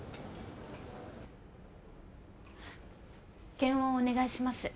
検温お願いします。